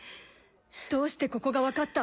どうしてここが分かった？